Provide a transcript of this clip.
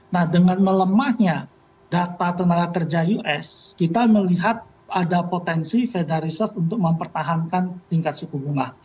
nah dengan melemahnya data tenaga kerja us kita melihat ada potensi federal reserve untuk mempertahankan tingkat suku bunga